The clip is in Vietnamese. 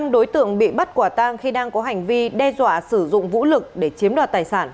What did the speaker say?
năm đối tượng bị bắt quả tang khi đang có hành vi đe dọa sử dụng vũ lực để chiếm đoạt tài sản